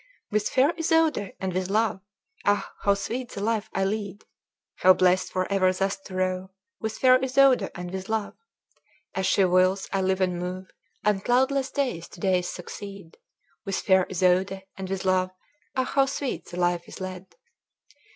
"With fair Isoude, and with love, Ah! how sweet the life I lead! How blest for ever thus to rove, With fair Isoude, and with love! As she wills, I live and move, And cloudless days to days succeed: With fair Isoude, and with love, Ah! how sweet the life I lead!